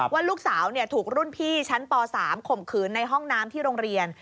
ว่าลูกสาวถูกรุ่นพี่ชั้นป๓ข่มขืนในห้องน้ำที่โรงเรียน